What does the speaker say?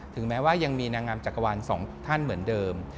แม้ว่ายังมีนางงามจักรวาลสองท่านเหมือนเดิม